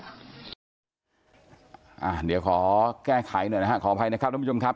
เดี๋ยวขอแก้ไขหน่อยนะฮะขออภัยนะครับท่านผู้ชมครับ